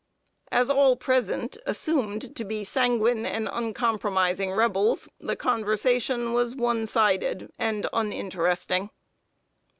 As all present assumed to be sanguine and uncompromising Rebels, the conversation was one sided and uninteresting.